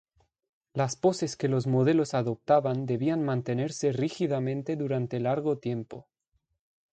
Las poses que los modelos adoptaban debían mantenerse rígidamente durante largo tiempo.